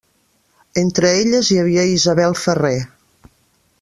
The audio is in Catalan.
Entre elles hi havia Isabel Ferrer.